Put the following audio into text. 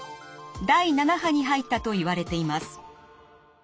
第７波に入ったといわれています。